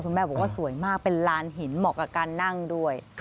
แม่บอกว่าสวยมากเป็นลานหินเหมาะกับการนั่งด้วย